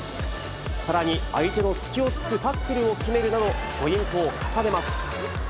さらに相手の隙をつくタックルを決めるなど、ポイントを重ねます。